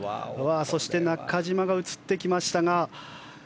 そして中島が映ってきましたが。